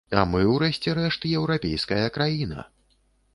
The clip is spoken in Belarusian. А мы, у рэшце рэшт, еўрапейская краіна.